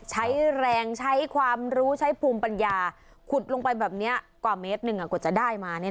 ใช้แรงใช้ความรู้ใช้ภูมิปัญญาขุดลงไปแบบนี้กว่าเมตรหนึ่งกว่าจะได้มา